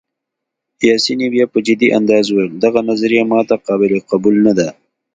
پاسیني بیا په جدي انداز وویل: دغه نظریه ما ته قابل قبول نه ده.